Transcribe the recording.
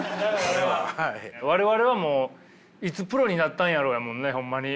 我々はもういつプロになったんやろうやもんねホンマに。